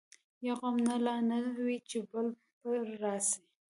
یو غم نه لا نه وي چي بل پر راسي